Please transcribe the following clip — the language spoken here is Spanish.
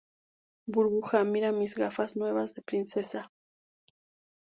burbuja, mira mis gafas nuevas, de princesa.